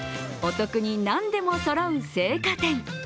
お得に何でもそろう青果店。